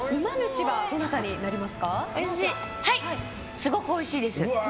すごくおいしいです。